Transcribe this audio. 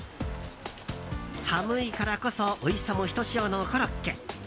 寒いからこそおいしさもひとしおのコロッケ。